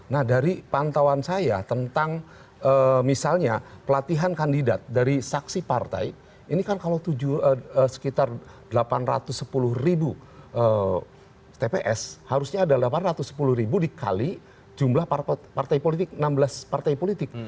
nah dari pantauan saya tentang misalnya pelatihan kandidat dari saksi partai ini kan kalau sekitar delapan ratus sepuluh ribu tps harusnya ada delapan ratus sepuluh ribu dikali jumlah partai politik enam belas partai politik